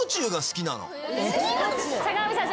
坂上さん